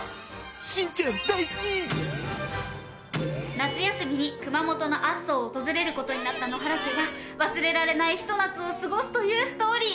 夏休みに熊本のアッソーを訪れる事になった野原家が忘れられないひと夏を過ごすというストーリー。